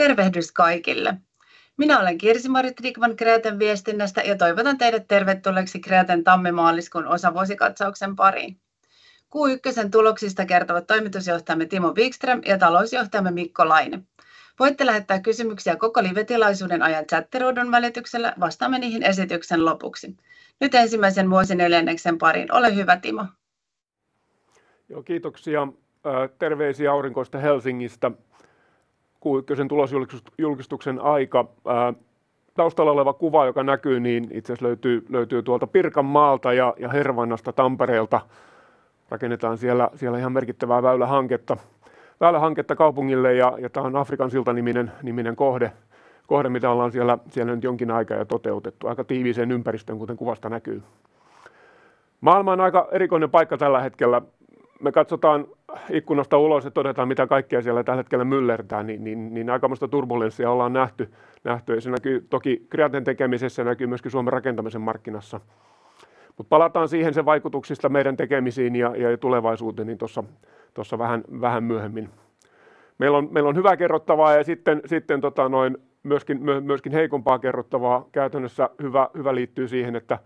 Tervehdys kaikille! Minä olen Kirsi-Marjut Dickman Kreaten viestinnästä ja toivotan teidät tervetulleiksi Kreaten tammi-maaliskuun osavuosikatsauksen pariin. Q ykkösen tuloksista kertovat toimitusjohtajamme Timo Vikström ja talousjohtajamme Mikko Laine. Voitte lähettää kysymyksiä koko livetilaisuuden ajan chat-ruudun välityksellä. Vastaamme niihin esityksen lopuksi. Nyt ensimmäisen vuosineljänneksen pariin. Ole hyvä Timo! Joo kiitoksia! Terveisiä aurinkoisesta Helsingistä. Q ykkösen tulosjulkistuksen aika. Taustalla oleva kuva, joka näkyy niin itse asiassa löytyy tuolta Pirkanmaalta ja Hervannasta Tampereelta. Rakennetaan siellä ihan merkittävää väylähanketta kaupungille. Tämä on Afrikan silta niminen kohde. Kohde mitä ollaan siellä nyt jonkin aikaa jo toteutettu aika tiiviiseen ympäristöön, kuten kuvasta näkyy. Maailma on aika erikoinen paikka tällä hetkellä. Me katsotaan ikkunasta ulos ja todetaan mitä kaikkea siellä tällä hetkellä myllertää, aikamoista turbulenssia ollaan nähty ja se näkyy toki Kreaten tekemisessä näkyy myöskin Suomen rakentamisen markkinassa, mutta palataan siihen sen vaikutuksista meidän tekemisiin ja tulevaisuuteen niin tossa vähän myöhemmin. Meillä on hyvää kerrottavaa ja sitten myöskin heikompaa kerrottavaa. Käytännössä hyvä liittyy siihen, että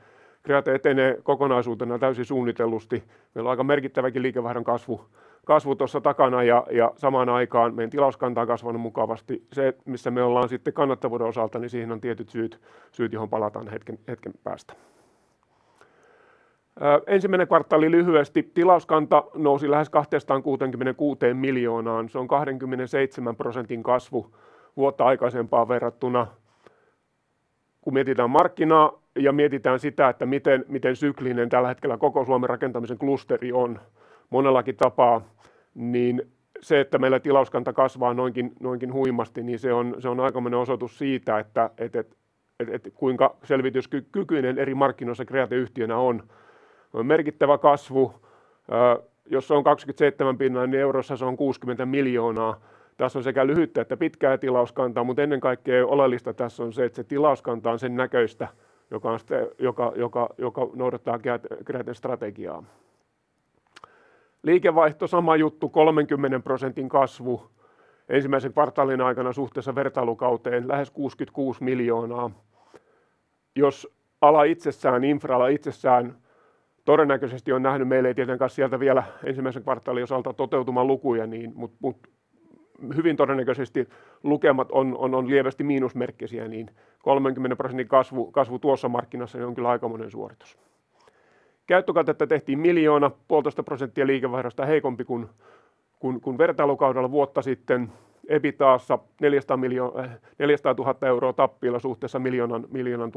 Kreate etenee kokonaisuutena täysin suunnitellusti. Meillä on aika merkittäväkin liikevaihdon kasvu tuossa takana ja samaan aikaan meidän tilauskanta on kasvanut mukavasti. Se missä me ollaan sitten kannattavuuden osalta, niin siihen on tietyt Syyt. Syyt, joihin palataan hetken päästä. Ensimmäinen kvartaali lyhyesti. Tilauskanta nousi lähes EUR 266 miljoonaan. Se on 27% kasvu vuotta aikaisempaan verrattuna. Kun mietitään markkinaa ja mietitään sitä, että miten syklinen tällä hetkellä koko Suomen rakentamisen klusteri on monellakin tapaa, niin se, että meillä tilauskanta kasvaa noinkin huimasti, niin se on aikamoinen osoitus siitä, että et kuinka selvityskykykyinen eri markkinoissa Kreate yhtiönä on. Merkittävä kasvu. Jos se on 27 pinnaa, niin euroissa se on EUR 60 miljoonaa. Tässä on sekä lyhyttä että pitkää tilauskantaa, mutta ennen kaikkea oleellista tässä on se, että se tilauskanta on sen näköistä, joka on se, joka noudattaa Kreaten strategiaa. Liikevaihto sama juttu, 30% kasvu ensimmäisen kvartaalin aikana suhteessa vertailukauteen lähes EUR 66 million. Ala itsessään infra-ala itsessään todennäköisesti on nähnyt, meillä ei tietenkään ole sieltä vielä ensimmäisen kvartaalin osalta toteutuman lukuja. Hyvin todennäköisesti lukemat on lievästi miinusmerkkisiä, niin 30% kasvu tuossa markkinassa on kyllä aikamoinen suoritus. Käyttökatetta tehtiin EUR 1 million, 1.5% liikevaihdosta heikompi kuin vertailukaudella vuotta sitten. EBITAssa EUR 400,000 tappiolla suhteessa EUR 1 million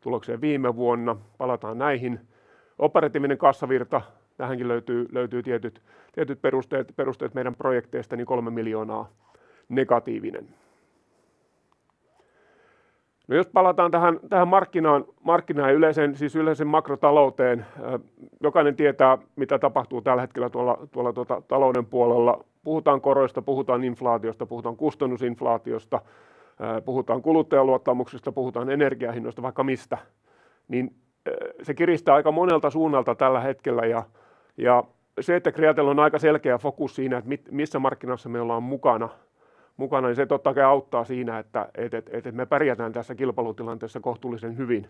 tulokseen viime vuonna. Palataan näihin. Operatiivinen kassavirta. Tähänkin löytyy tietyt perusteet meidän projekteista niin EUR 3 million negatiivinen. Jos palataan tähän markkinaan ja yleiseen, siis yleiseen makrotalouteen. Jokainen tietää, mitä tapahtuu tällä hetkellä tuolla tota talouden puolella. Puhutaan koroista, puhutaan inflaatiosta, puhutaan kustannusinflaatiosta, puhutaan kuluttajaluottamuksesta, puhutaan energiahinnoista, vaikka mistä. Se kiristää aika monelta suunnalta tällä hetkellä. Se, että Kreatella on aika selkeä fokus siinä, että missä markkinassa me ollaan mukana, niin se totta kai auttaa siinä, että et me pärjätään tässä kilpailutilanteessa kohtuullisen hyvin.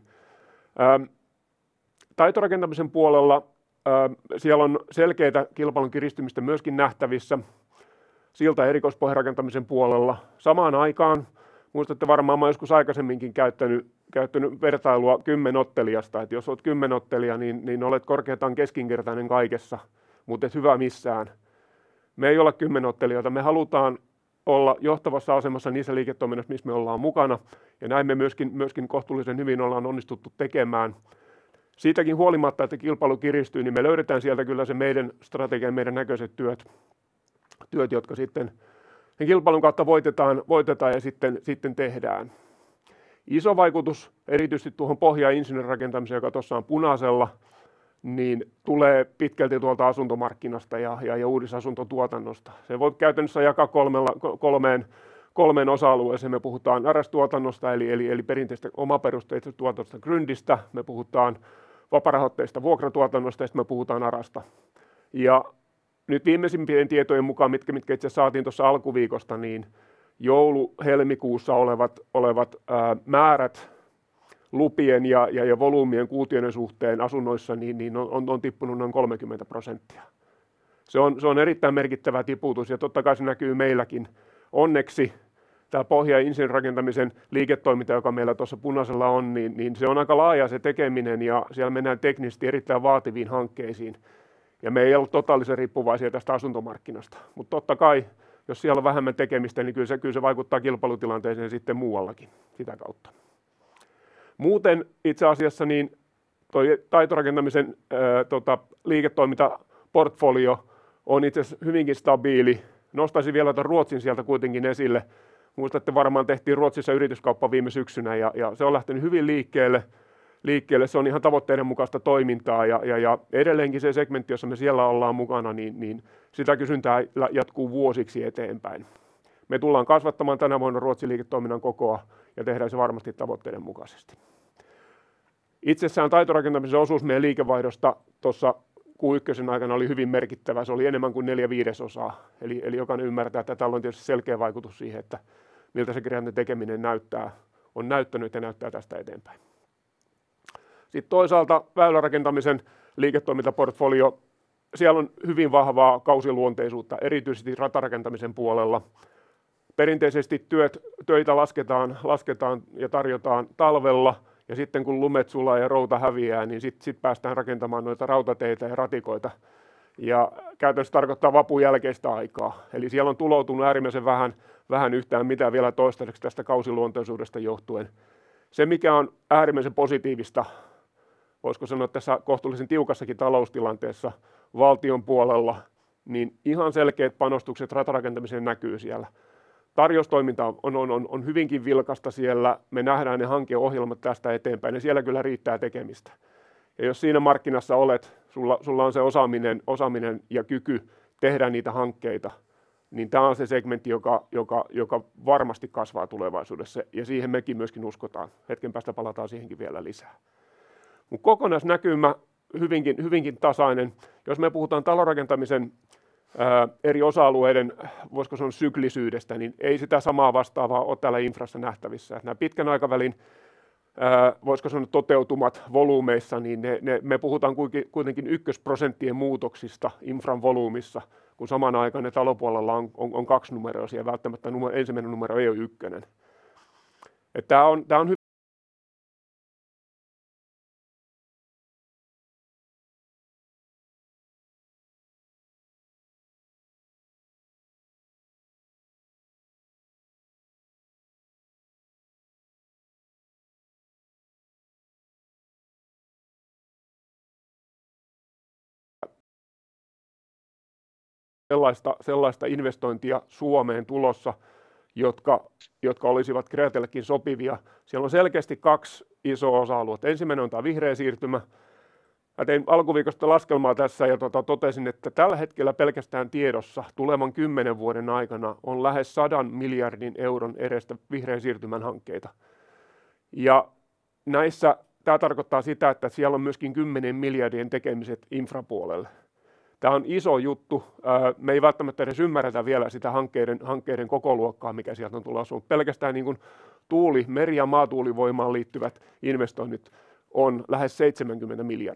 Taitorakentamisen puolella siellä on selkeätä kilpailun kiristymistä myöskin nähtävissä silta- ja erikoispohjarakentamisen puolella. Samaan aikaan muistatte varmaan mä oon joskus aikaisemminkin käyttäny vertailua kymmenottelijasta, että jos olet kymmenottelija, niin olet korkeintaan keskinkertainen kaikessa, mut et hyvä missään. Me ei olla kymmenottelijoita. Me halutaan olla johtavassa asemassa niissä liiketoiminnoissa, missä me ollaan mukana ja näin me myöskin kohtuullisen hyvin ollaan onnistuttu tekemään. Siitäkin huolimatta, että kilpailu kiristyy, niin me löydetään sieltä kyllä se meidän strategia, meidän näköiset työt, jotka sitten kilpailun kautta voitetaan ja sitten tehdään. Iso vaikutus erityisesti tuohon pohja- ja insinöörirakentamiseen, joka tuossa on punaisella, niin tulee pitkälti tuolta asuntomarkkinasta ja uudisasuntotuotannosta. Sen voi käytännössä jakaa kolmeen osa-alueeseen. Me puhutaan RS-tuotannosta eli perinteisestä omaperusteisesta tuotannosta, gryndistä. Me puhutaan vapaarahoitteisesta vuokratuotannosta. Me puhutaan ARAsta. Nyt viimeisimpien tietojen mukaan mitkä itse asiassa saatiin tuossa alkuviikosta, niin joulu-helmikuussa olevat määrät lupien ja volyymien kuutioiden suhteen asunnoissa niin on tippunut noin 30%. Se on erittäin merkittävä tiputus ja totta kai se näkyy meilläkin. Onneksi tämä pohja- ja insinöörirakentamisen liiketoiminta, joka meillä tuossa punaisella on, niin se on aika laajaa se tekeminen ja siellä mennään teknisesti erittäin vaativiin hankkeisiin. Me ei olla totaalisen riippuvaisia tästä asuntomarkkinasta. Totta kai, jos siellä on vähemmän tekemistä, niin kyllä se vaikuttaa kilpailutilanteeseen sitten muuallakin sitä kautta. Muuten itse asiassa niin toi taitorakentamisen tota liiketoimintaportfolio on itse asiassa hyvinkin stabiili. Nostaisin vielä tuon Ruotsin sieltä kuitenkin esille. Muistatte varmaan tehtiin Ruotsissa yrityskauppa viime syksynä. Se on lähtenyt hyvin liikkeelle. Se on ihan tavoitteiden mukaista toimintaa. Edelleenkin se segmentti, jossa me siellä ollaan mukana, niin sitä kysyntää vielä jatkuu vuosiksi eteenpäin. Me tullaan kasvattamaan tänä vuonna Ruotsin liiketoiminnan kokoa ja tehdään se varmasti tavoitteiden mukaisesti. Itsessään taitorakentamisen osuus meidän liikevaihdosta tuossa Q ykkösen aikana oli hyvin merkittävä. Se oli enemmän kuin 4/5. Jokainen ymmärtää, että tällä on tietysti selkeä vaikutus siihen, että miltä se Kreaten tekeminen näyttää, on näyttänyt ja näyttää tästä eteenpäin. Sitten toisaalta väylärakentamisen liiketoimintaportfolio. Siellä on hyvin vahvaa kausiluonteisuutta erityisesti ratarakentamisen puolella. Perinteisesti työtä lasketaan ja tarjotaan talvella. Sitten kun lumet sulaa ja routa häviää, niin sitten päästään rakentamaan noita rautateitä ja ratikoita. Käytännössä tarkoittaa Vapun jälkeistä aikaa. Siellä on tuloutunut äärimmäisen vähän yhtään mitään vielä toistaiseksi tästä kausiluonteisuudesta johtuen. Se mikä on äärimmäisen positiivista, voisiko sanoa tässä kohtuullisen tiukassakin taloustilanteessa valtion puolella, niin ihan selkeät panostukset ratarakentamiseen näkyy siellä. Tarjous toiminta on hyvinkin vilkasta siellä. Me nähdään ne hankeohjelmat tästä eteenpäin, niin siellä kyllä riittää tekemistä. Jos siinä markkinassa olet, sulla on se osaaminen ja kyky tehdä niitä hankkeita, niin tämä on se segmentti, joka varmasti kasvaa tulevaisuudessa ja siihen mekin myöskin uskotaan. Hetken päästä palataan siihenkin vielä lisää. Kokonaisnäkymä hyvinkin tasainen. Jos me puhutaan talonrakentamisen eri osa-alueiden, voisiko sanoa syklisyydestä, niin ei sitä samaa vastaavaa ole täällä infrassa nähtävissä. Nämä pitkän aikavälin voisiko sanoa toteutumat volyymeissa, niin ne me puhutaan kuitenkin ykkösprosenttien muutoksista infran volyymissa, kun samanaikainen talopuolella on 2 numeroa siellä välttämättä ensimmäinen numero ei ole 1. Tää on hyvä. Sellaista investointia Suomeen tulossa, jotka olisivat Kreatellekin sopivia. Siellä on selkeästi kaksi isoa osa-aluetta. Ensimmäinen on tämä vihreä siirtymä. Mä tein alkuviikosta laskelmaa tässä ja totesin, että tällä hetkellä pelkästään tiedossa tulevan 10 vuoden aikana on lähes EUR 100 billion edestä vihreän siirtymän hankkeita. Näissä tää tarkoittaa sitä, että siellä on myöskin kymmenien miljardien tekemiset infrapuolelle. Tää on iso juttu. Me ei välttämättä edes ymmärretä vielä sitä hankkeiden kokoluokkaa, mikä sieltä on tulossa. Pelkästään niin kuin tuuli, meri- ja maatuulivoimaan liittyvät investoinnit on lähes EUR 70 billion.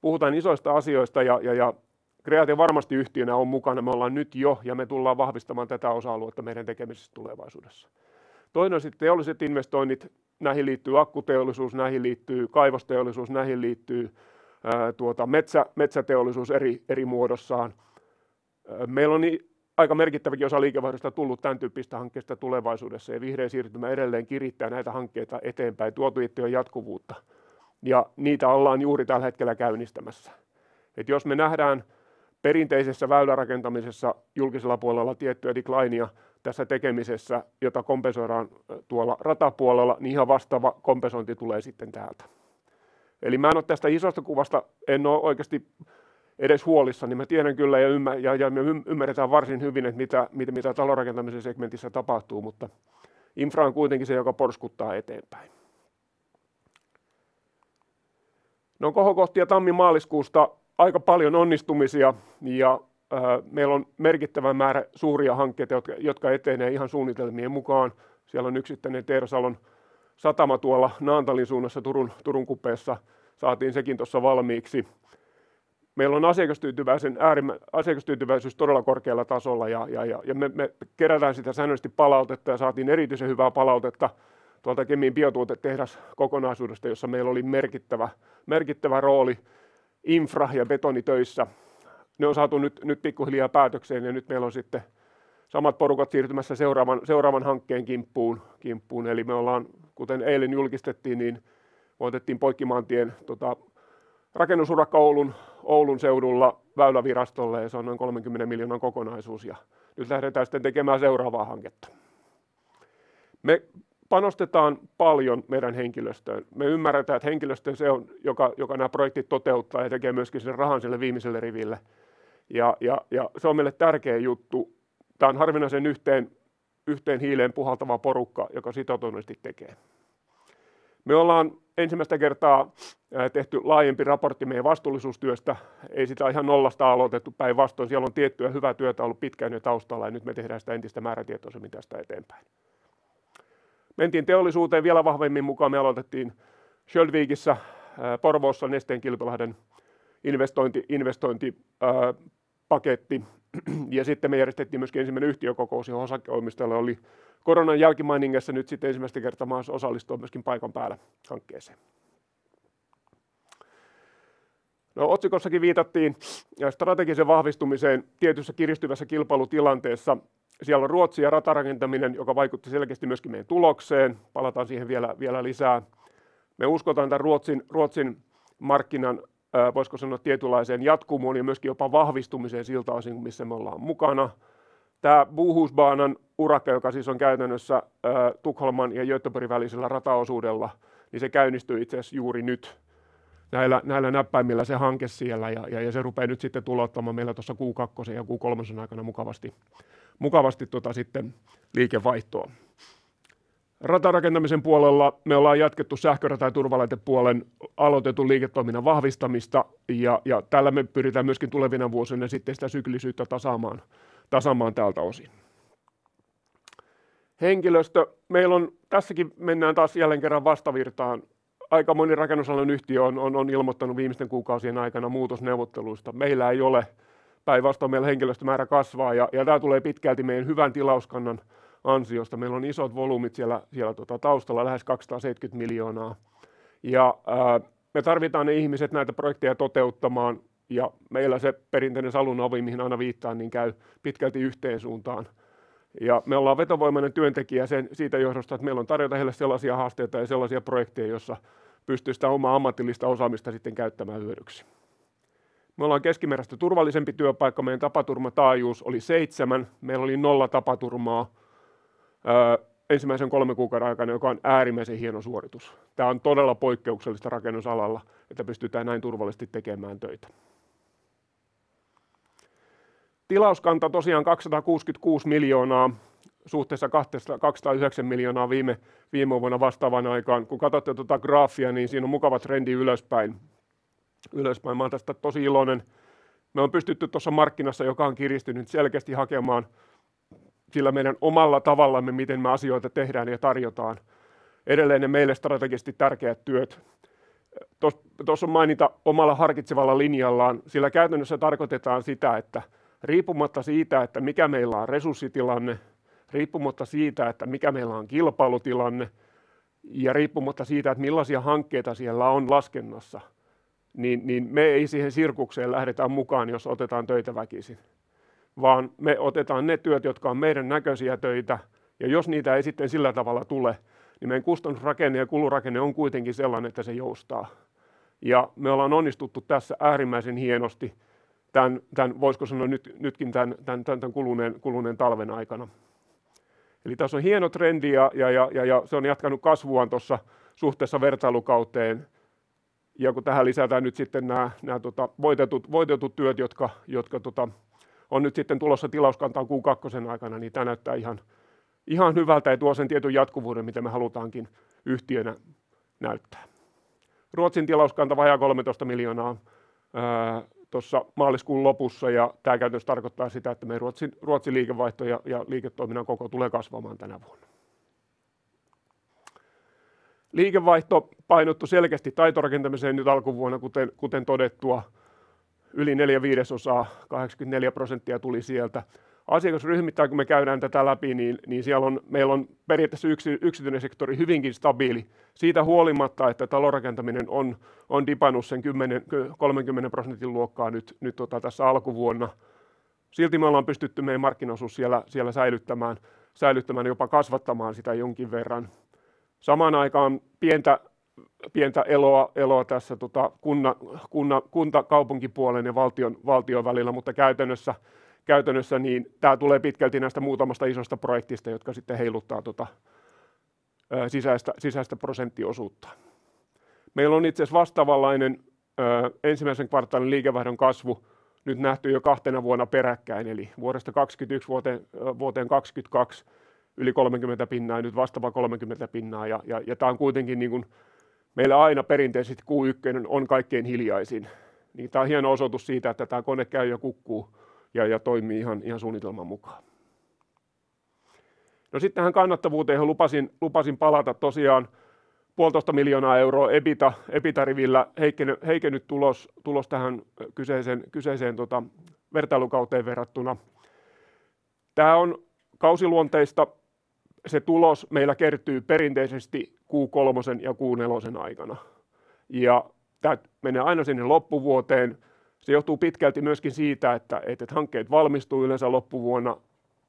Puhutaan isoista asioista ja Kreate varmasti yhtiönä on mukana. Me ollaan nyt jo ja me tullaan vahvistamaan tätä osa-aluetta meidän tekemisessä tulevaisuudessa. Toinen on sitten teolliset investoinnit. Näihin liittyy akkuteollisuus. Näihin liittyy kaivosteollisuus. Näihin liittyy metsäteollisuus eri muodossaan. Meillä on aika merkittäväkin osa liikevaihdosta tullut tämän tyyppisistä hankkeista tulevaisuudessa ja vihreä siirtymä edelleen kirittää näitä hankkeita eteenpäin. Tuo tiettyä jatkuvuutta ja niitä ollaan juuri tällä hetkellä käynnistämässä. Jos me nähdään perinteisessä väylärakentamisessa julkisella puolella tiettyä declineä tässä tekemisessä, jota kompensoidaan tuolla ratapuolella, niin ihan vastaava kompensointi tulee sitten täältä. Mä en ole tästä isosta kuvasta oikeasti edes huolissani. Mä tiedän kyllä ja me ymmärretään varsin hyvin, että mitä talorakentamisen segmentissä tapahtuu. Infra on kuitenkin se, joka porskuttaa eteenpäin. Kohokohtia tammi-maaliskuusta. Aika paljon onnistumisia ja meillä on merkittävä määrä suuria hankkeita, jotka etenee ihan suunnitelmien mukaan. Siellä on yksittäinen Teersalon satama tuolla Naantalin suunnassa Turun kupeessa. Saatiin sekin tuossa valmiiksi. Meillä on asiakastyytyväisyys todella korkealla tasolla. Me kerätään sitä säännöllisesti palautetta ja saatiin erityisen hyvää palautetta tuolta Kemin biotuotetehdas kokonaisuudesta, jossa meillä oli merkittävä rooli infra- ja betonitöissä. Ne on saatu nyt pikkuhiljaa päätökseen ja nyt meillä on sitten samat porukat siirtymässä seuraavan hankkeen kimppuun. Me ollaan kuten eilen julkistettiin, niin voitettiin Poikkimaantien tota rakennusurakka Oulun seudulla Väylävirastolle ja se on noin EUR 30 million kokonaisuus. Nyt lähdetään sitten tekemään seuraavaa hanketta. Me panostetaan paljon meidän henkilöstöön. Me ymmärretään, että henkilöstö se on, joka nämä projektit toteuttaa ja tekee myöskin sen rahan sille viimeiselle riville. Se on meille tärkeä juttu. Tää on harvinaisen yhteen hiileen puhaltava porukka, joka sitoutuneesti tekee. Me ollaan ensimmäistä kertaa tehty laajempi raportti meidän vastuullisuustyöstä. Ei sitä ihan nollasta aloitettu, päinvastoin, siellä on tiettyä hyvää työtä ollut pitkään jo taustalla ja nyt me tehdään sitä entistä määrätietoisemmin tästä eteenpäin. Mentiin teollisuuteen vielä vahvemmin mukaan. Me aloitettiin Sköldvikissä Porvoossa Nesteen Kilpilahden investointipaketti. Sitten me järjestettiin myöskin 1. yhtiökokous, johon osakkeenomistajilla oli koronan jälkimainingeissa nyt sitten 1. kertaa mahdollista osallistua myöskin paikan päällä hankkeeseen. Otsikossakin viitattiin strategiseen vahvistumiseen tietyssä kiristyvässä kilpailutilanteessa. Siellä on Ruotsi ja ratarakentaminen, joka vaikutti selkeästi myöskin meidän tulokseen. Palataan siihen vielä lisää. Me uskotaan tän Ruotsin markkinan, voisiko sanoa tietynlaiseen jatkumoon ja myöskin jopa vahvistumiseen siltä osin missä me ollaan mukana. Tää Bohusbanan urakka, joka siis on käytännössä Tukholman ja Göteborgin välisellä rataosuudella, niin se käynnistyi itse asiassa juuri nyt. Näillä näppäimillä se hanke siellä ja se rupeaa nyt sitten tuottamaan meillä tuossa Q2:sen ja Q3:sen aikana mukavasti tota sitten liikevaihtoa. Ratarakentamisen puolella me ollaan jatkettu sähkörata- ja turvalaitepuolen aloitetun liiketoiminnan vahvistamista ja tällä me pyritään myöskin tulevina vuosina sitten sitä syklisyyttä tasaamaan tältä osin. Henkilöstö. Meillä on tässäkin mennään taas jälleen kerran vastavirtaan. Aikamoinen rakennusalan yhtiö on ilmoittanut viimeisten kuukausien aikana muutosneuvotteluista. Meillä ei ole. Päinvastoin, meillä henkilöstömäärä kasvaa ja tämä tulee pitkälti meidän hyvän tilauskannan ansiosta. Meillä on isot volyymit siellä tota taustalla lähes EUR 270 miljoonaa. Me tarvitaan ne ihmiset näitä projekteja toteuttamaan. Meillä se perinteinen Saloon ovi, mihin aina viittaan, niin käy pitkälti yhteen suuntaan. Me ollaan vetovoimainen työntekijä sen siitä johdosta, että meillä on tarjota heille sellaisia haasteita ja sellaisia projekteja, joissa pystyy sitä omaa ammatillista osaamista sitten käyttämään hyödyksi. Me ollaan keskimerestä turvallisempi työpaikka. Meidän tapaturmataajuus oli 7. Meillä oli 0 tapaturmaa ensimmäisen 3 kuukauden aikana, joka on äärimmäisen hieno suoritus. Tämä on todella poikkeuksellista rakennusalalla, että pystytään näin turvallisesti tekemään töitä. Tilauskanta tosiaan EUR 266 miljoonaa suhteessa EUR 209 miljoonaa viime vuonna vastaavaan aikaan. Kun katsotte tuota graafia, niin siinä on mukava trendi ylöspäin. Mä olen tästä tosi iloinen. Me on pystytty tuossa markkinassa, joka on kiristynyt selkeästi, hakemaan sillä meidän omalla tavallamme, miten me asioita tehdään ja tarjotaan edelleen ne meille strategisesti tärkeät työt. Tuossa on maininta omalla harkitsevalla linjallaan, sillä käytännössä tarkoitetaan sitä, että riippumatta siitä, että mikä meillä on resurssitilanne, riippumatta siitä, että mikä meillä on kilpailutilanne ja riippumatta siitä, että millaisia hankkeita siellä on laskennassa, niin me ei siihen sirkukseen lähdetä mukaan, jos otetaan töitä väkisin, vaan me otetaan ne työt, jotka on meidän näköisiä töitä. Ja jos niitä ei sitten sillä tavalla tule, niin meidän kustannusrakenne ja kulurakenne on kuitenkin sellainen, että se joustaa. Ja me ollaan onnistuttu tässä äärimmäisen hienosti. Tän voisiko sanoa nytkin tän kuluneen talven aikana. Eli tässä on hieno trendi ja se on jatkanut kasvuaan tuossa suhteessa vertailukauteen. Kun tähän lisätään nyt sitten nää voitetut työt, jotka on nyt sitten tulossa tilauskantaan Q2 aikana, niin tää näyttää ihan hyvältä ja tuo sen tietyn jatkuvuuden mitä me halutaankin yhtiönä näyttää. Ruotsin tilauskanta vajaa EUR 13 miljoonaa tuossa maaliskuun lopussa. Tää käytännössä tarkoittaa sitä, että meidän Ruotsin liikevaihto ja liiketoiminnan koko tulee kasvamaan tänä vuonna. Liikevaihto painottui selkeästi taitorakentamiseen nyt alkuvuonna, kuten todettua. Yli 4/5, 84% tuli sieltä. Asiakasryhmittäin kun me käydään tätä läpi, niin meillä on periaatteessa yksityinen sektori hyvinkin stabiili. Siitä huolimatta, että talonrakentaminen on dipannut sen 10%-30% luokkaa nyt tässä alkuvuonna. Silti me ollaan pystytty meidän markkinaosuus siellä säilyttämään jopa kasvattamaan sitä jonkin verran. Samaan aikaan pientä eloa tässä kunta kaupunkipuolen ja valtion välillä. Käytännössä niin tää tulee pitkälti näistä muutamasta isosta projektista, jotka sitten heiluttaa tota sisäistä prosenttiosuutta. Meillä on itse asiassa vastaavanlainen ensimmäisen kvartaalin liikevaihdon kasvu nyt nähty jo kahtena vuonna peräkkäin, eli vuodesta 2021 vuoteen 2022 yli 30%. Nyt vastaava 30%. Ja tää on kuitenkin niin kun meillä aina perinteisesti Q1 on kaikkein hiljaisin, niin tää on hieno osoitus siitä, että tää kone käy ja kukkuu ja toimii ihan suunnitelman mukaan. Sitten tähän kannattavuuteenhan lupasin palata. Tosiaan EUR 1.5 million EBITA-rivillä heikennyt tulos. Tulos tähän kyseiseen tota vertailukauteen verrattuna. Tää on kausiluonteista. Se tulos meillä kertyy perinteisesti Q3:sen ja Q4:sen aikana, ja tää menee aina sinne loppuvuoteen. Se johtuu pitkälti myöskin siitä, että hankkeet valmistuu yleensä loppuvuonna.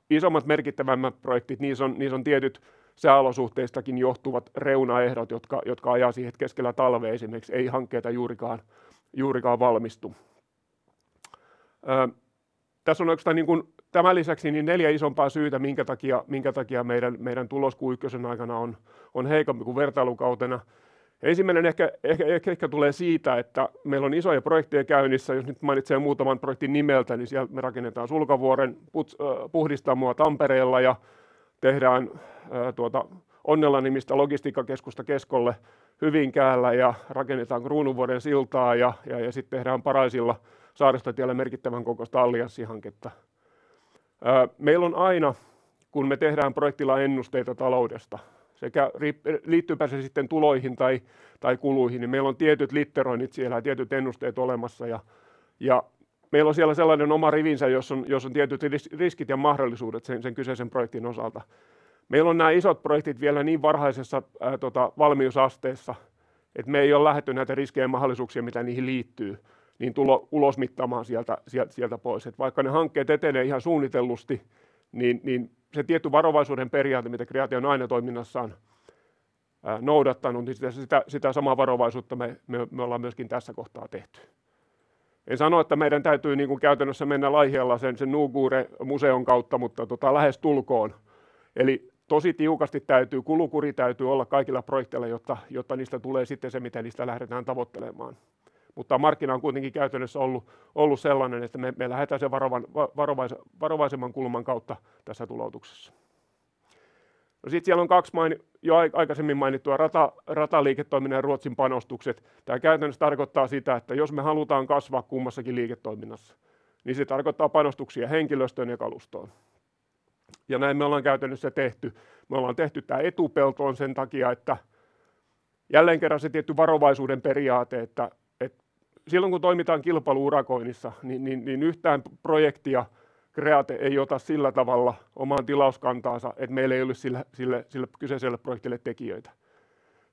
Isommat merkittävämmät projektit. Niis on tietyt sääolosuhteistakin johtuvat reunaehdot, jotka ajaa siihen, että keskellä talve esimerkiksi ei hankkeita juurikaan valmistu. Tässä on oikeastaan niin kun tämän lisäksi niin neljä isompaa syytä, minkä takia meidän tulos Q1 aikana on heikompi kuin vertailukautena. Ensimmäinen ehkä tulee siitä, että meillä on isoja projekteja käynnissä. Jos nyt mainitsen muutaman projektin nimeltä, niin siellä me rakennetaan Sulkavuoren puhdistamoa Tampereella ja tehdään tuota Onnela-nimistä logistiikkakeskusta Keskolle Hyvinkäällä ja rakennetaan Kruunuvuoren siltaa ja sitten tehdään Paraisilla Saaristotiellä merkittävän kokoista allianssihanketta. Meillä on aina, kun me tehdään projektilla ennusteita taloudesta sekä liittyypä se sitten tuloihin tai kuluihin, niin meillä on tietyt litteroinnit siellä ja tietyt ennusteet olemassa ja meillä on siellä sellainen oma rivinsä, jossa on tietyt riskit ja mahdollisuudet sen kyseisen projektin osalta. Meillä on nää isot projektit vielä niin varhaisessa valmiusasteessa, että me ei ole lähdetty näitä riskejä ja mahdollisuuksia mitä niihin liittyy niin tulo ulosmittaamaan sieltä pois. Vaikka ne hankkeet etenee ihan suunnitellusti, niin se tietty varovaisuuden periaate mitä Kreatea on aina toiminnassaan noudattanut, niin sitä samaa varovaisuutta me ollaan myöskin tässä kohtaa tehty. En sano, että meidän täytyy niinku käytännössä mennä laihialaisen sen Nuuguren museon kautta, mutta lähestulkoon. Eli tosi tiukasti kulukuri täytyy olla kaikilla projekteilla, jotta niistä tulee sitten se mitä niistä lähdetään tavoittelemaan. Mutta markkina on kuitenkin käytännössä ollut sellainen, että me lähdetään sen varovaisemman kulman kautta tässä tuloutuksessa. Sitten siellä on kaksi jo aikaisemmin mainittua rataliiketoiminnan ja Ruotsin panostukset. Tää käytännössä tarkoittaa sitä, että jos me halutaan kasvaa kummassakin liiketoiminnassa, niin se tarkoittaa panostuksia henkilöstöön ja kalustoon. Näin me ollaan käytännössä tehty. Me ollaan tehty tää etupeltoon sen takia, että jälleen kerran se tietty varovaisuuden periaate, että silloin kun toimitaan kilpailu urakoinnissa, niin yhtään projektia Kreate ei ota sillä tavalla omaan tilauskantaansa, että meillä ei ole sille kyseiselle projektille tekijöitä,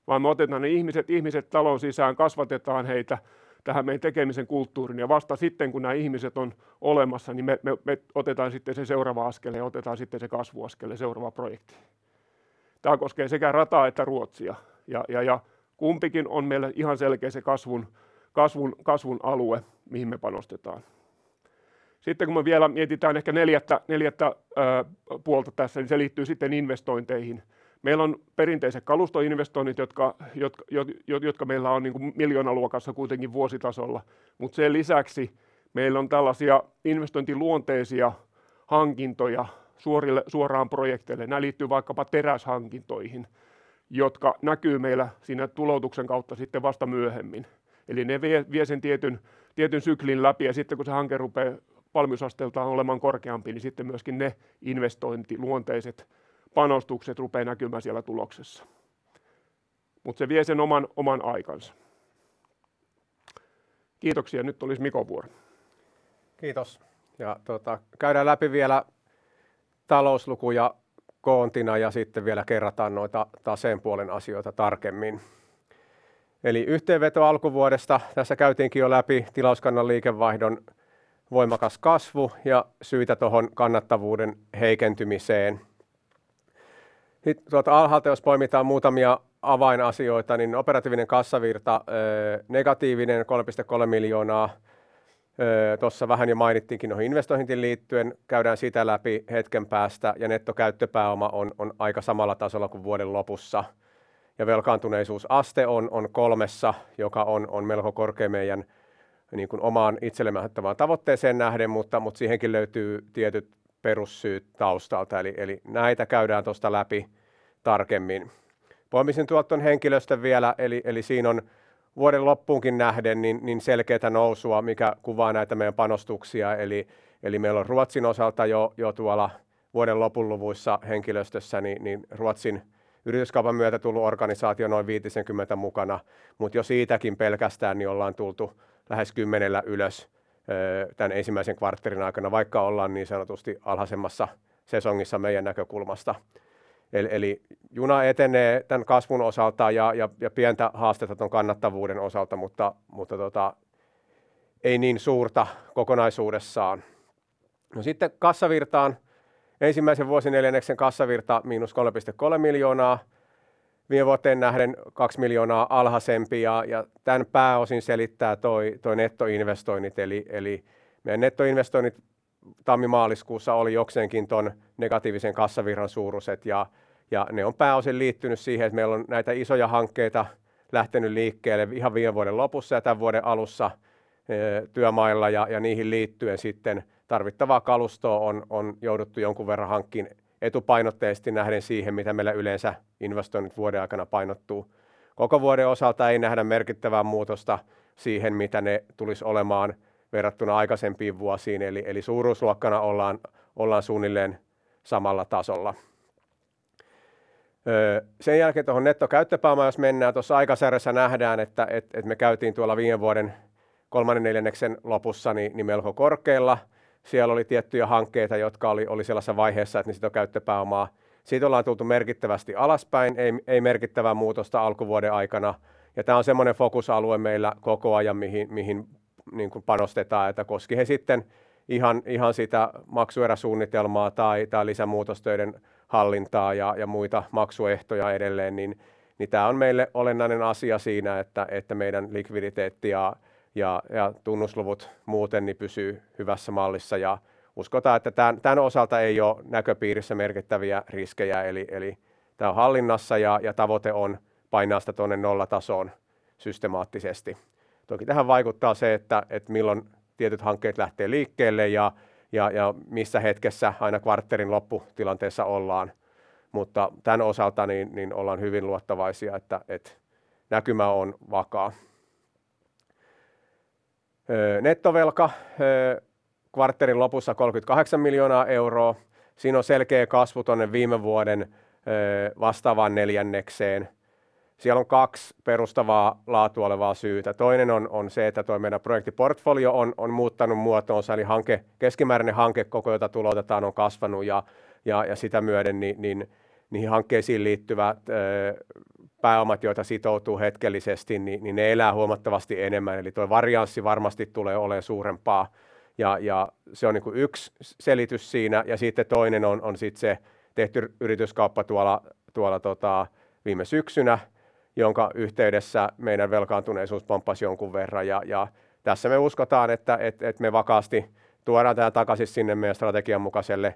vaan me otetaan ne ihmiset taloon sisään, kasvatetaan heitä tähän meidän tekemisen kulttuuriin ja vasta sitten kun nää ihmiset on olemassa, niin me otetaan sitten se seuraava askel ja otetaan sitten se kasvuaskel ja seuraava projekti. Tää koskee sekä rataa että Ruotsia. Kumpikin on meille ihan selkeä se kasvun alue, mihin me panostetaan. Kun me vielä mietitään ehkä neljättä puolta tässä, niin se liittyy sitten investointeihin. Meillä on perinteiset kalustoinvestoinnit, jotka meillä on niinku miljoonaluokassa kuitenkin vuositasolla, mutta sen lisäksi meillä on tällaisia investointiluonteisia hankintoja suorille suoraan projekteille. Nää liittyy vaikkapa teräshankintoihin, jotka näkyy meillä siinä tuloutuksen kautta sitten vasta myöhemmin. Ne vie sen tietyn syklin läpi ja sitten kun se hanke rupeaa valmiusasteeltaan olemaan korkeampi, niin sitten myöskin ne investointiluonteiset panostukset rupeaa näkymään siellä tuloksessa, mutta se vie sen oman aikansa. Kiitoksia! Nyt olisi Mikon vuoro. Kiitos! Tota käydään läpi vielä talouslukuja koontina ja sitten vielä kerrataan noita taseen puolen asioita tarkemmin. Yhteenveto alkuvuodesta. Tässä käytiinkin jo läpi tilauskannan liikevaihdon voimakas kasvu ja syitä tuohon kannattavuuden heikentymiseen. Tuolta alhaalta jos poimitaan muutamia avainasioita, niin operatiivinen kassavirta negatiivinen EUR 3.3 miljoonaa. Tuossa vähän jo mainittiinkin noihin investointeihin liittyen. Käydään sitä läpi hetken päästä ja nettokäyttöpääoma on aika samalla tasolla kuin vuoden lopussa ja velkaantuneisuusaste on kolmessa, joka on melko korkea meidän niinkun omaan itsellemme asettamaan tavoitteeseen nähden, mutta siihenkin löytyy tietyt perussyyt taustalta. Näitä käydään tuosta läpi tarkemmin. Poimisin tuolta tuon henkilöstön vielä. Siinä on vuoden loppuunkin nähden niin selkeätä nousua, mikä kuvaa näitä meidän panostuksia. Eli meillä on Ruotsin osalta jo tuolla vuoden lopun luvuissa henkilöstössä niin Ruotsin yrityskaupan myötä tullut organisaatio noin 50 mukana, mutta jo siitäkin pelkästään niin ollaan tultu lähes 10 ylös tän ensimmäisen kvartterin aikana, vaikka ollaan niin sanotusti alhaisemmassa sesongissa meidän näkökulmasta. Eli juna etenee tän kasvun osalta ja pientä haastetta tuon kannattavuuden osalta. Tota ei niin suurta kokonaisuudessaan. No sitten kassavirtaan. Ensimmäisen vuosineljänneksen kassavirta -EUR 3.3 million viime vuoteen nähden EUR 2 million alhaisempi. Tän pääosin selittää nettoinvestoinnit eli meidän nettoinvestoinnit tammi-maaliskuussa oli jokseenkin tuon negatiivisen kassavirran suuruiset ja ne on pääosin liittynyt siihen, että meillä on näitä isoja hankkeita lähtenyt liikkeelle ihan viime vuoden lopussa ja tämän vuoden alussa työmailla ja niihin liittyen sitten tarvittavaa kalustoa on jouduttu jonkun verran hankkimaan etupainotteisesti nähden siihen, mitä meillä yleensä investoinnit vuoden aikana painottuu. Koko vuoden osalta ei nähdä merkittävää muutosta siihen, mitä ne tulisi olemaan verrattuna aikaisempiin vuosiin. Suuruusluokkana ollaan suunnilleen samalla tasolla. Sen jälkeen tuohon nettokäyttöpääomaan jos mennään tuossa aikasarjassa nähdään, että me käytiin tuolla viime vuoden kolmannen neljänneksen lopussa melko korkealla. Siellä oli tiettyjä hankkeita, jotka oli sellaisessa vaiheessa, että nettokäyttöpääoma. Siitä ollaan tultu merkittävästi alaspäin. Ei merkittävää muutosta alkuvuoden aikana. Tämä on semmoinen fokusalue meillä koko ajan mihin niinku panostetaan. Koski he sitten ihan sitä maksueräsuunnitelmaa tai lisämuutostöiden hallintaa ja muita maksuehtoja edelleen, niin tämä on meille olennainen asia siinä, että meidän likviditeetti ja tunnusluvut muuten niin pysyy hyvässä mallissa. Uskotaan, että tän osalta ei ole näköpiirissä merkittäviä riskejä. Tämä on hallinnassa ja tavoite on painaa sitä tuonne nollatasoon systemaattisesti. Toki tähän vaikuttaa se, että milloin tietyt hankkeet lähtee liikkeelle ja missä hetkessä aina kvartterin lopputilanteessa ollaan. Tän osalta niin ollaan hyvin luottavaisia, että näkymä on vakaa. nettovelka kvartterin lopussa EUR 38 million. Siinä on selkeä kasvu tuonne viime vuoden vastaavaan neljännekseen. Siellä on 2 perustavaa laatua olevaa syytä. Toinen on se, että tuo meidän projektiportfolio on muuttanut muotoansa eli hanke keskimääräinen hankekoko, jota tuloutetaan, on kasvanut ja sitä myöden niin niihin hankkeisiin liittyvät pääomat, joita sitoutuu hetkellisesti, niin ne elää huomattavasti enemmän. Tuo varianssi varmasti tulee olemaan suurempaa, ja se on niinku yksi selitys siinä. Sitten toinen on sitten se tehty yrityskauppa tuolla viime syksynä. Jonka yhteydessä meidän velkaantuneisuus pomppas jonkun verran ja tässä me uskotaan, että me vakaasti tuodaan tää takaisin sinne meidän strategian mukaselle,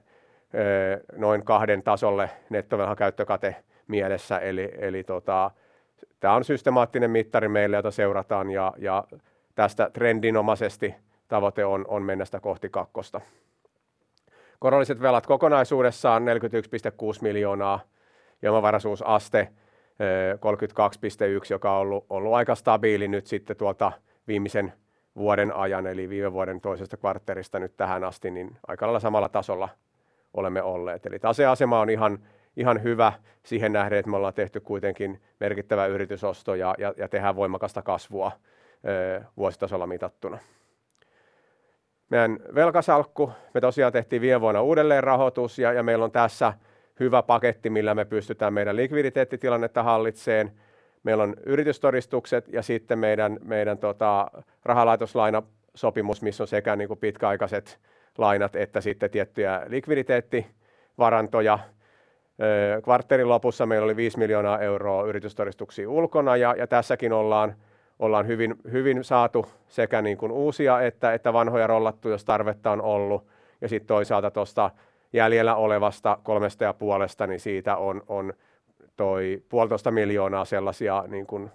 noin kahden tasolle nettovelan käyttökate mielessä. Eli tää on systemaattinen mittari meille, jota seurataan ja tästä trendinomaisesti tavoite on mennä sitä kohti kakkosta. Korolliset velat kokonaisuudessaan EUR 46.6 miljoonaa. Omavaraisuusaste, 32.1, joka on ollu aika stabiili nyt sitte tuolta viimisen vuoden ajan eli viime vuoden toisesta kvartterista nyt tähän asti, niin aikalailla samalla tasolla olemme olleet. Taseasema on ihan hyvä siihen nähden, et me ollaan tehty kuitenkin merkittävä yritysosto ja tehään voimakasta kasvua vuositasolla mitattuna. Meen velkasalkku. Me tosiaan tehtiin viime vuonna uudelleenrahotus ja meil on tässä hyvä paketti, millä me pystytään meidän likviditeettitilannetta hallitseen. Meil on yritystodistukset ja sitte meidän rahalaitoslainasopimus, mis on sekä niinku pitkäaikaset lainat että sitte tiettyjä likviditeettivarantoja. Kvartterin lopussa meil oli EUR 5 million yritystodistuksii ulkona ja tässäkin ollaan hyvin saatu sekä niinku uusia että vanhoja rollattuu jos tarvetta on ollu. Sit toisaalta tosta jäljellä olevasta EUR 3.5, niin siitä on toi EUR 1.5 million sellasia niinkun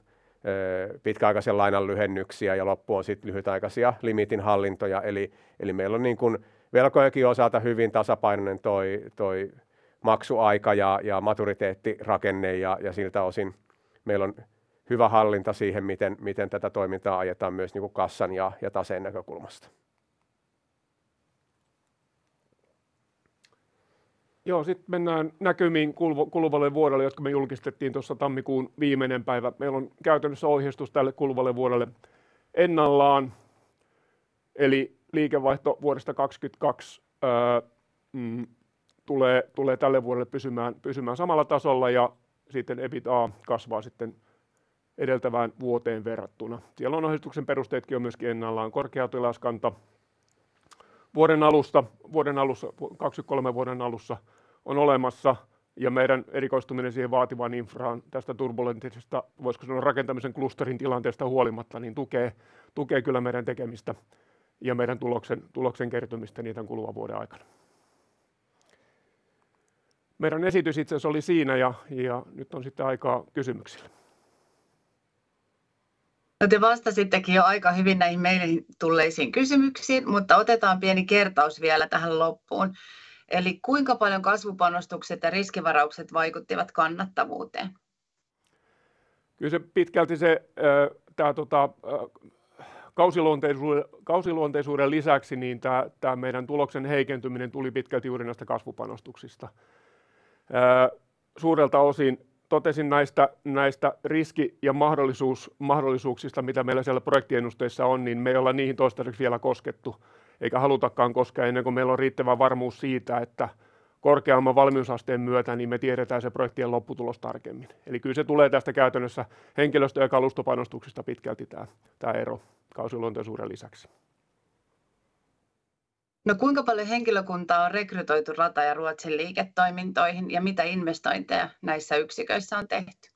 pitkäaikaisen lainan lyhennyksiä ja loppu on sit lyhytaikasia limitinhallintoja. Eli meil on niinkun velkojenkin osalta hyvin tasapainoinen toi maksuaika ja maturiteettirakenne ja siltä osin meil on hyvä hallinta siihen, miten tätä toimintaa ajetaan myös niinku kassan ja taseen näkökulmasta. Joo, sit mennään näkymiin kuluvalle vuodelle, jotka me julkistettiin tuossa tammikuun viimeinen päivä. Meillä on käytännössä ohjeistus tälle kuluvalle vuodelle ennallaan, eli liikevaihto vuodesta 2022 tulee tälle vuodelle pysymään samalla tasolla ja sitten EBITDA kasvaa sitten edeltävään vuoteen verrattuna. Siellä on ohjeistuksen perusteetkin on myöskin ennallaan. Korkea tilauskanta vuoden alusta, vuoden alussa, 2023 vuoden alussa on olemassa ja meidän erikoistuminen siihen vaativaan infraan tästä turbulenttisesta, voisko sanoa rakentamisen klusterin tilanteesta huolimatta niin tukee kyllä meidän tekemistä ja meidän tuloksen kertymistä niin tämän kuluvan vuoden aikana. Meidän esitys itse asiassa oli siinä ja nyt on sitten aikaa kysymyksille. Te vastasittekin jo aika hyvin näihin meille tulleisiin kysymyksiin, mutta otetaan pieni kertaus vielä tähän loppuun. Kuinka paljon kasvupanostukset ja riskivaraukset vaikuttivat kannattavuuteen? Kyl se pitkälti se, tää tota, kausiluonteisuuden lisäksi, niin tää meidän tuloksen heikentyminen tuli pitkälti juuri noista kasvupanostuksista, suurelta osin. Totesin näistä riski- ja mahdollisuuksista, mitä meillä siellä projektiennusteissa on, niin me ei olla niihin toistaseksi vielä koskettu eikä halutakaan koskea ennen ku meil on riittävä varmuus siitä, että korkeamman valmiusasteen myötä niin me tiedetään se projektien lopputulos tarkemmin. Eli kyl se tulee tästä käytännössä henkilöstö- ja kalustopanostuksista pitkälti tää ero kausiluonteisuuden lisäks. Kuinka paljon henkilökuntaa on rekrytoitu Rata- ja Ruotsin-liiketoimintoihin ja mitä investointeja näissä yksiköissä on tehty?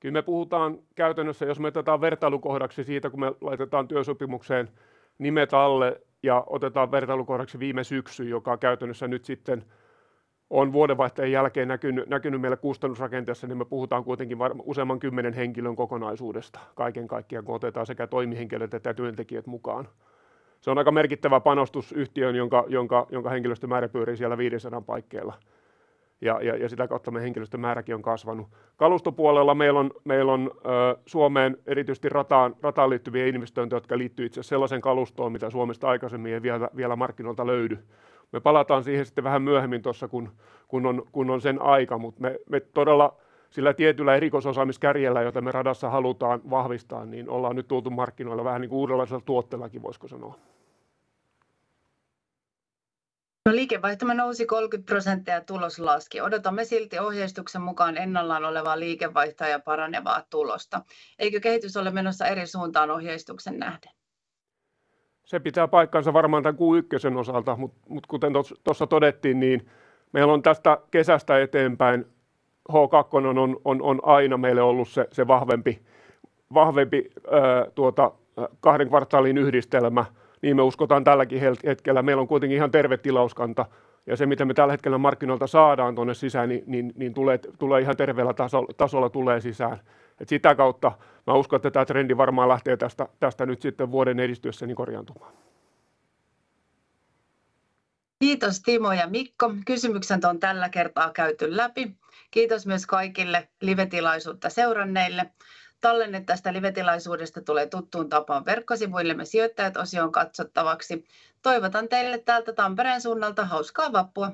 Kyl me puhutaan käytännössä, jos me otetaan vertailukohdaksi siitä, kun me laitetaan työsopimukseen nimet alle ja otetaan vertailukohdaksi viime syksy, joka käytännössä nyt sitten on vuodenvaihteen jälkeen näkyny meillä kustannusrakenteessa, niin me puhutaan kuitenkin useamman 10 henkilön kokonaisuudesta kaiken kaikkiaan, kun otetaan sekä toimihenkilöt että työntekijät mukaan. Se on aika merkittävä panostus yhtiöön, jonka henkilöstömäärä pyörii siellä 500 paikkeilla, ja sitä kautta meidän henkilöstön määräki on kasvanu. Kalustopuolella meil on Suomeen erityisesti Rataan liittyviä investointeja, jotka liittyy itse asias sellaseen kalustoon, mitä Suomesta aikasemmin ei vielä markkinoilta löydy. Me palataan siihen sitte vähän myöhemmin tossa kun on sen aika, mut me todella sillä tietyllä erikoisosaamiskärjellä, jota me Radassa halutaan vahvistaa, niin ollaan nyt tultu markkinoille vähän niinku uudenlaisella tuotteellakin, voisko sanoa. Liikevaihtomme nousi 30% ja tulos laski. Odotamme silti ohjeistuksen mukaan ennallaan olevaa liikevaihtoa ja paranevaa tulosta. Eikö kehitys ole menossa eri suuntaan ohjeistukseen nähden? Se pitää paikkansa varmaan tän Q1 osalta, kuten tossa todettiin, niin meillä on tästä kesästä eteenpäin H2 on aina meille ollut se vahvempi tuota kahden kvartaalin yhdistelmä, niin me uskotaan tälläkin hetkellä. Meillä on kuitenkin ihan terve tilauskanta, ja se mitä me tällä hetkellä markkinoilta saadaan tuonne sisään, niin tulee ihan terveellä tasolla tulee sisään. Sitä kautta mä uskon, että tää trendi varmaan lähtee tästä nyt sitten vuoden edistyessä niin korjaantumaan. Kiitos Timo ja Mikko, kysymykset on tällä kertaa käyty läpi. Kiitos myös kaikille livetilaisuutta seuranneille. Tallenne tästä livetilaisuudesta tulee tuttuun tapaan verkkosivuillemme Sijoittajat-osioon katsottavaksi. Toivotan teille täältä Tampereen suunnalta hauskaa vappua!